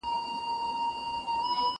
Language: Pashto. موږ باید د شر له منځه وړلو لپاره هڅه وکړو.